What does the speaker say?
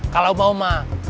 kalau mau ma